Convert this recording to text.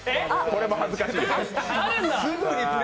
これも恥ずかしい。